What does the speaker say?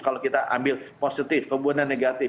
kalau kita ambil positif kemudian negatif